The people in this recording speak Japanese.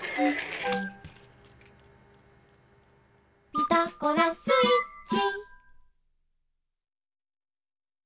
「ピタゴラスイッチ」